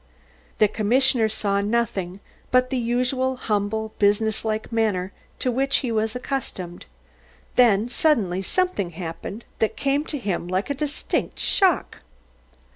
The commissioner saw nothing but the usual humble business like manner to which he was accustomed then suddenly something happened that came to him like a distinct shock.